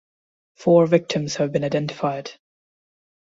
Four victims have been identified.